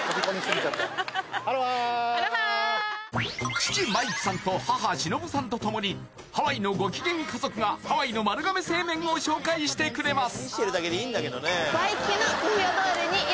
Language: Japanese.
父・マイクさんと母・シノブさんとともにハワイのゴキゲン家族がハワイの丸亀製麺を紹介してくれます